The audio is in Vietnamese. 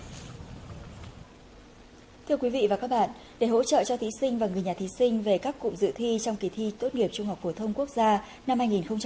thưa quý vị và các bạn để hỗ trợ cho thí sinh và người nhà thí sinh về các cụm dự thi trong kỳ thi tốt nghiệp trung học phổ thông quốc gia năm hai nghìn hai mươi